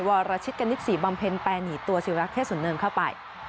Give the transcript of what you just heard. วรรชิตกันที่๔บำเพ็ญแปลหนีตัวสิวรักษณ์เทศศูนย์เข้าไป